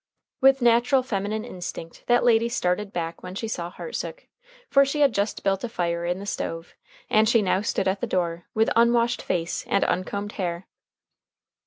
With natural feminine instinct that lady started back when she saw Hartsook, for she had just built a fire in the stove, and she now stood at the door with unwashed face and uncombed hair.